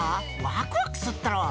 ワクワクすっだろ？